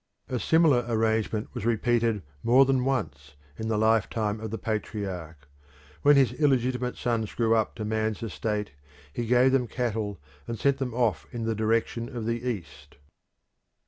A similar arrangement was repeated more than once in the lifetime of the patriarch. When his illegitimate sons grew up to man's estate he gave them cattle and sent them off in the direction of the east.